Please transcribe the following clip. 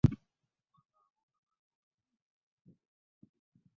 Wabaawo abalowooza nti banene.